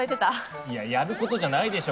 いやいややることじゃないでしょ